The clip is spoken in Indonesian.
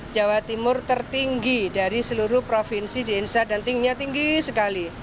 jawa timur tertinggi dari seluruh provinsi di indonesia dan tingginya tinggi sekali